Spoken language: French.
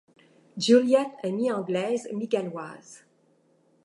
Juliet est mi anglaise, mi galloise.